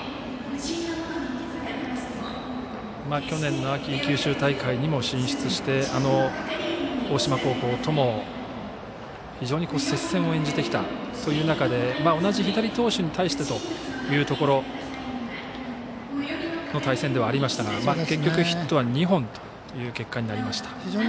去年の秋、九州大会にも進出してあの大島高校とも、非常に接戦を演じてきたという中で同じ左投手に対してというところの対戦ではありましたが結局ヒットは２本となりました。